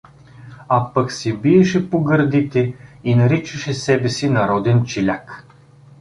А пък се биеше по гърдите и наричаше себе си народен чиляк.